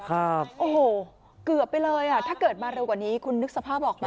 ครับโอ้โหเกือบไปเลยอ่ะถ้าเกิดมาเร็วกว่านี้คุณนึกสภาพออกไหม